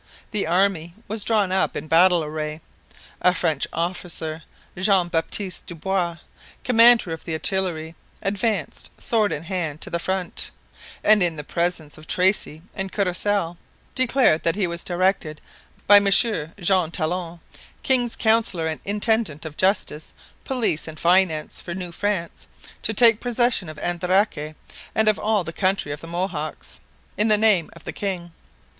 The army was drawn up in battle array. A French officer, Jean Baptiste Dubois, commander of the artillery, advanced, sword in hand, to the front, and in the presence of Tracy and Courcelle, declared that he was directed by M. Jean Talon, king's counsellor and intendant of justice, police, and finance for New France, to take possession of Andaraque, and of all the country of the Mohawks, in the name of the king.